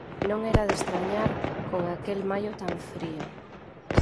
Non era de estrañar, con aquel maio tan frío.